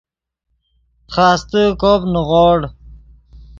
خاستے کوپ نیغوڑ